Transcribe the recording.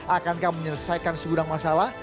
akankah menyelesaikan segudang masalah